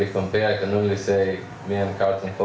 dia bisa melindungi dan menyerang